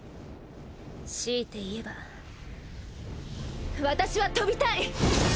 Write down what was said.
強いて言えば私は跳びたい！